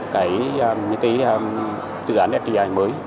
cái dự án fdi mới